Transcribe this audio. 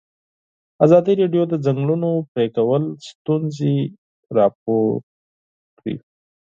ازادي راډیو د د ځنګلونو پرېکول ستونزې راپور کړي.